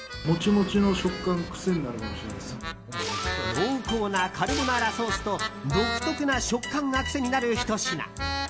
濃厚なカルボナーラソースと独特な食感が癖になるひと品。